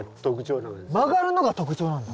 曲がるのが特徴なんだ。